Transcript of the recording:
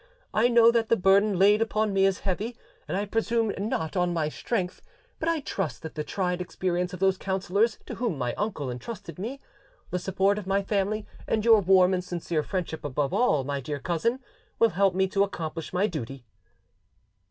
I know that the burden laid upon me is heavy, and I presume not on my strength, but I trust that the tried experience of those counsellors to whom my uncle entrusted me, the support of my family, and your warm and sincere friendship above all, my dear cousin, will help me to accomplish my duty."